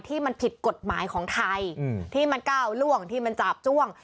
ที่มันผิดกฎหมายของไทยที่มันก้าวล่วงที่มันจาบจ้วง